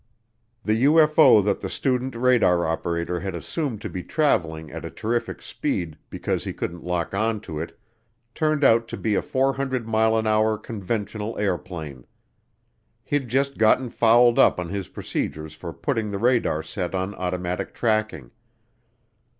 The UFO that the student radar operator had assumed to be traveling at a terrific speed because he couldn't lock on to it turned out to be a 400 mile an hour conventional airplane. He'd just gotten fouled up on his procedures for putting the radar set on automatic tracking.